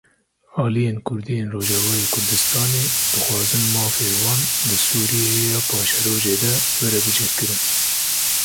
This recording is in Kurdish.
Aliyên kurdî yên Rojavayê Kurdistanê dixwazin mafê wan di Sûriyeya paşerojê de were bicihkirin.